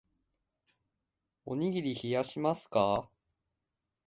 おにぎりあたためますか